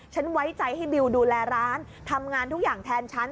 ไว้ใจให้บิวดูแลร้านทำงานทุกอย่างแทนฉัน